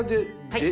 はい。